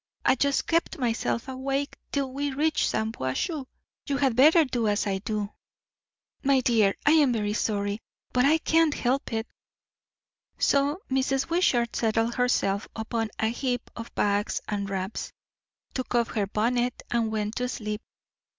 I just kept myself awake till we reached Shampuashuh. You had better do as I do. My dear, I am very sorry, but I can't help it." So Mrs. Wishart settled herself upon a heap of bags and wraps, took off her bonnet, and went to sleep.